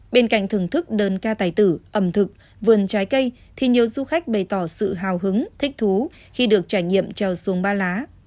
bên cạnh thưởng thức đơn ca tài tử ẩm thực vườn trái cây thì nhiều du khách bày tỏ sự hào hứng thích thú khi được trải nghiệm trèo xuồng ba lá